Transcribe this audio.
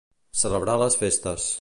Celebrar les festes.